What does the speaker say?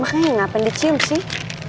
makanya ngapain dicium sih